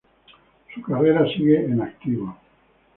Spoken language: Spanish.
Su carrera sigue en activo.